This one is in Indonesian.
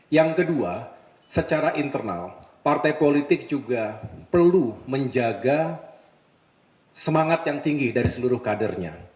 yang kedua secara internal partai politik juga perlu menjaga semangat yang tinggi dari seluruh kadernya